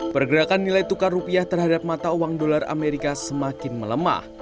pergerakan nilai tukar rupiah terhadap mata uang dolar amerika semakin melemah